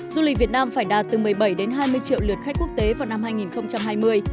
du lịch việt nam phải đạt từ một mươi bảy đến hai mươi triệu lượt khách quốc tế vào năm hai nghìn hai mươi